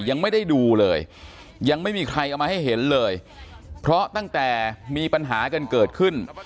ยังไม่ได้ดูเลยยังไม่มีใครเอามาให้เห็นเลยเพราะตั้งแต่มีปัญหากันเกิดขึ้น